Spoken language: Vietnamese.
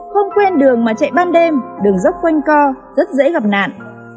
không quen đường mà chạy ban đêm đường dốc quanh co rất dễ gặp nạn